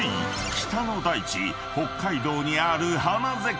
［北の大地北海道にある花絶景］